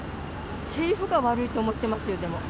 政府が悪いと思ってますよ、でも。